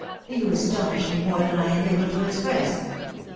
" You astonish me more than I am able to express